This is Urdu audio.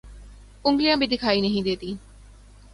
انگلیاں بھی دیکھائی نہیں دیتی